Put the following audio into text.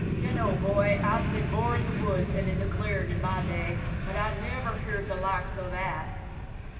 "Dun'no', boy. I've bin more in the woods than in the clearin' in my day, but I niver heerd the likes o' that."